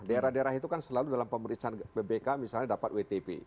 daerah daerah itu kan selalu dalam pemeriksaan pbk misalnya dapat wtp